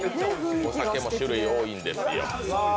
お酒も種類多いんですよ。